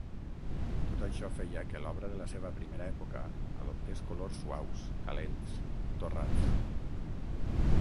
Tot això feia que l'obra de la seva primera època adoptés colors suaus, calents, torrats.